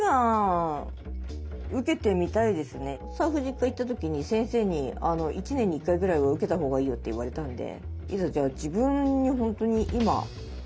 産婦人科行った時に先生に１年に１回ぐらいは受けたほうがいいよって言われたんで。